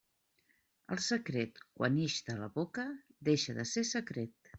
El secret, quan ix de la boca, deixa de ser secret.